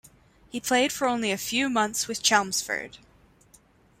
He played for only a few months with Chelmsford.